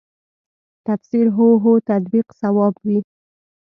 تفسیر هو هو تطبیق صواب وي.